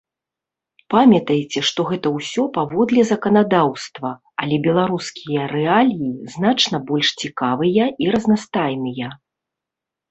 Памятайце, што гэта ўсё паводле заканадаўства, але беларускія рэаліі значна больш цікавыя і разнастайныя.